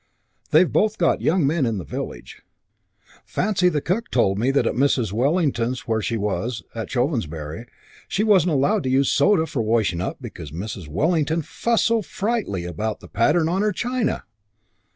They've both got young men in the village. Fancy, the cook told me that at Mrs. Wellington's where she was, at Chovensbury, she wasn't allowed to use soda for washing up because Mrs. Wellington fussed so frightfully about the pattern on her china!